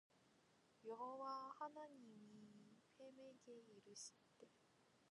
여호와 하나님이 뱀에게 이르시되